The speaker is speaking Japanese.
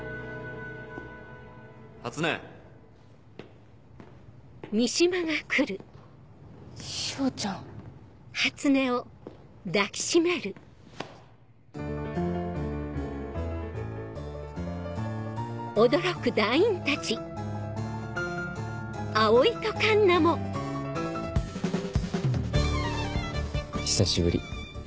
・初音・彰ちゃん。久しぶり。